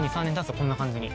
こんな感じに。